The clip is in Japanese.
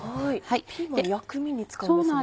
ピーマン薬味に使うんですね。